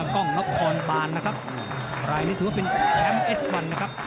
ก้องน้อยคอนบานนะครับรายหนี้ถือว่าเป็นแค็มเอสสะวันนะครับ